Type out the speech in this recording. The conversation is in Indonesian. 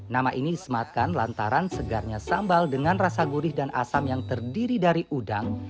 nama ini disematkan lantaran segarnya sambal dengan rasa gurih dan asam yang terdiri dari udang